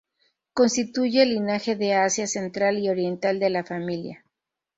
Constituye el linaje de Asia central y oriental de la familia.